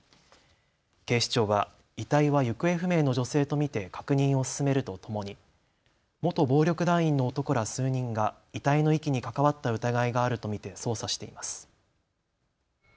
警視庁は遺体は行方不明の女性と見て確認を進めるとともに元暴力団員の男ら数人が遺体の遺棄に関わった疑いがあると見て捜査しています。